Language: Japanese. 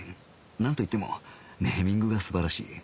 なんといってもネーミングが素晴らしい